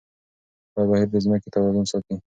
دا بهير د ځمکې توازن ساتي.